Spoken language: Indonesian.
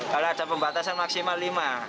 kalau ada pembatasan maksimal lima